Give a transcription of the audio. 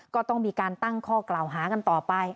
ก็ต้องมีการตั้งข้อกล่าวหากันต่อไป